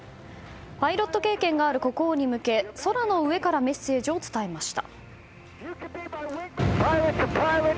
パイロット経験がある国王に向け空の上からメッセージを伝えました。